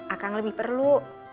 akang lebih perlu